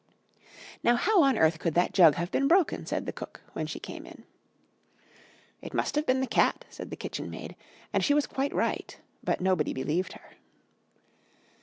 "'Now how on earth could that jug have been broken?' said cook, when she came in. "'It must have been the cat,' said the kitchenmaid; and she was quite right, but nobody believed her.